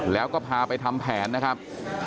แล้วก็พาไปทำแผนนะครับ